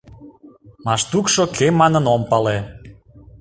Маштукшо кӧ манын, ом пале...